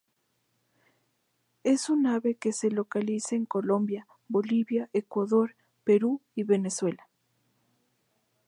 Es un ave que se localiza en Colombia, Bolivia, Ecuador, Perú y Venezuela.